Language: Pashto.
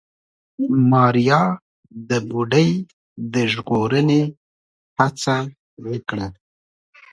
ماريا د بوډۍ د ژغورنې هڅه وکړه.